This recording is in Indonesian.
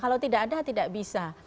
karena tidak ada tidak bisa